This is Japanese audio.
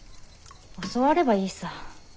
教わればいいさ。